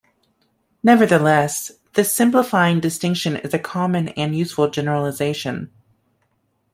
Nevertheless, this simplifying distinction is a common and useful generalization.